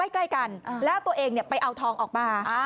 ใกล้กันแล้วตัวเองไปเอาทองออกมา